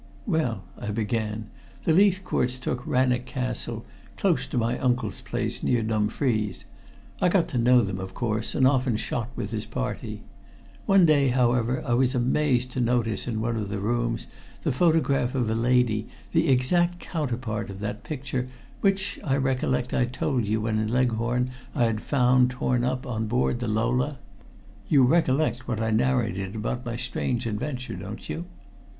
"Well," I began, "the Leithcourts took Rannoch Castle, close to my uncle's place, near Dumfries. I got to know them, of course, and often shot with his party. One day, however, I was amazed to notice in one of the rooms the photograph of a lady, the exact counterpart of that picture which, I recollect, I told you when in Leghorn I had found torn up on board the Lola. You recollect what I narrated about my strange adventure, don't you?"